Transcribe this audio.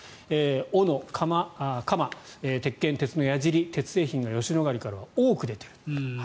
斧、鎌、鉄剣、鉄のやじり鉄製品が吉野ヶ里からは多く出ている。